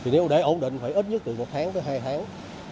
nếu để ổn định phải ít nhất từ một tháng tới hai tháng